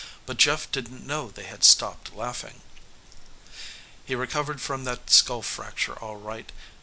But Jeff didn't know they had stopped laughing. He recovered from that skull fracture, all right.